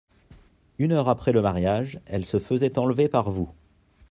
Une heure après le mariage, elle se faisait enlever par vous.